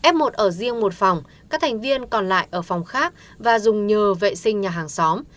f một ở riêng một phòng các thành viên còn lại ở phòng khác và dùng nhờ vệ sinh nhà hàng xóm